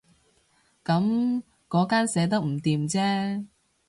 噉嗰間寫得唔掂啫